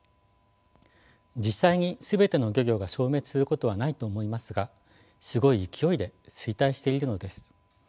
実際に全ての漁業が消滅することはないと思いますがすごい勢いで衰退しているのです。